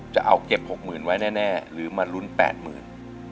จะเอาเก็บ๖หมื่นไว้แน่หรือมารุ้น๘หมื่น